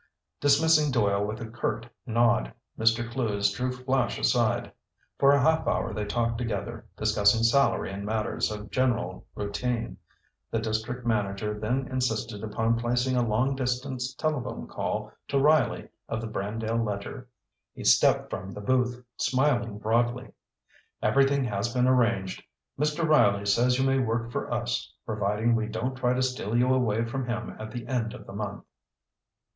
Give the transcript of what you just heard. Dismissing Doyle with a curt nod, Mr. Clewes drew Flash aside. For a half hour they talked together, discussing salary and matters of general routine. The district manager then insisted upon placing a long distance telephone call to Riley of the Brandale Ledger. He stepped from the booth, smiling broadly. "Everything has been arranged. Mr. Riley says you may work for us, providing we don't try to steal you away from him at the end of the month."